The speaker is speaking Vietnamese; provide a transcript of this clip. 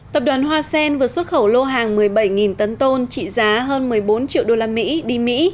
tập đoàn hoa sen vừa xuất khẩu lô hàng một mươi bảy tấn tôn trị giá hơn một mươi bốn triệu usd đi mỹ